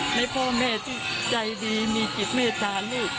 ให้พ่อแม่ที่ใจดีมีจิตเมตตาลูก